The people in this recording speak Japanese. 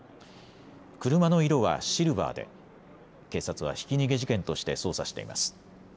車の色はシルバーで警察はひき逃げ事件として捜査しています。